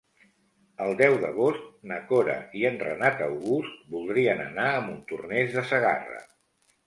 El deu d'agost na Cora i en Renat August voldrien anar a Montornès de Segarra.